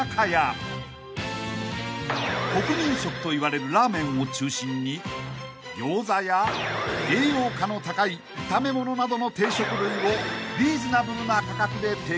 ［国民食といわれるラーメンを中心に餃子や栄養価の高い炒め物などの定食類をリーズナブルな価格で提供］